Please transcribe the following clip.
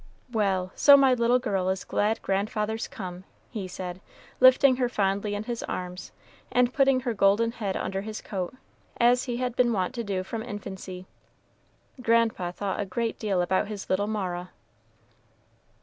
"Well, so my little girl is glad grandfather's come," he said, lifting her fondly in his arms, and putting her golden head under his coat, as he had been wont to do from infancy; "grandpa thought a great deal about his little Mara."